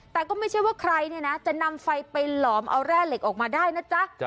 แต่ก็ไม่ใช่ว่าใครเนี่ยนะจะนำไฟไปหลอมเอาแร่เหล็กออกมาได้นะจ๊ะ